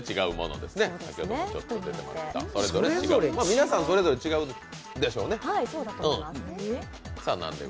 皆さんそれぞれ違うでしょうね。